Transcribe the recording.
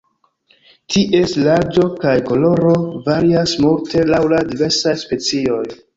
Ties larĝo kaj koloro varias multe laŭ la diversaj specioj.